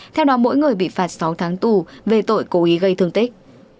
theo đó mỗi người bị phạt sáu tháng tù về tội cố ý gây thương tích